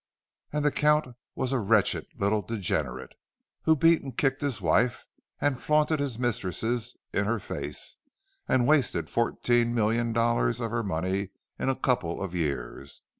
And the Count was a wretched little degenerate, who beat and kicked his wife, and flaunted his mistresses in her face, and wasted fourteen million dollars of her money in a couple of years.